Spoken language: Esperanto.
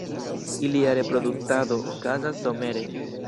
Ilia reproduktado okazas somere.